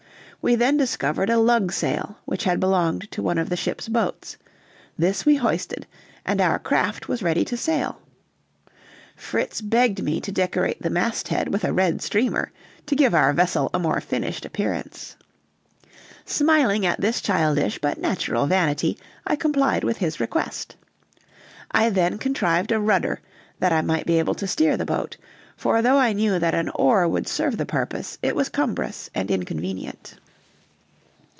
We then discovered a lugsail, which had belonged to one of the ships' boats; this we hoisted; and our craft was ready to sail. Fritz begged me to decorate the masthead with a red streamer, to give our vessel a more finished appearance. Smiling at this childish but natural vanity, I complied with his request. I then contrived a rudder, that I might be able to steer the boat; for though I knew that an oar would serve the purpose, it was cumbrous and inconvenient.